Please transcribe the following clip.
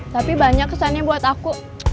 tapi banyak kesannya buat aku